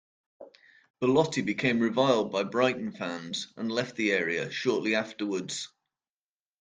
Bellotti became reviled by Brighton fans and left the area shortly afterwards.